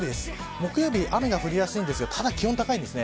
木曜日、雨が降りやすいんですがただ気温は高いです。